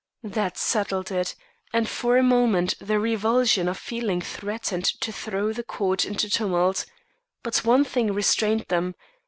That settled it, and for a moment the revulsion of feeling threatened to throw the court into tumult. But one thing restrained them.